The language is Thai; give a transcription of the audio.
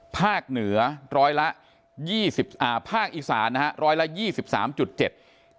ภาคเหนือร้อยละยี่สิบอ่าภาคอีสานนะฮะร้อยละยี่สิบสามจุดเจ็ด